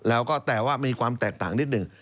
แล้วก็แต่ว่ามีความแตกต่างนิดหนึ่ง